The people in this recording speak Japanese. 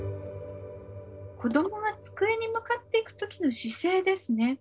子どもが机に向かっていく時の姿勢ですね。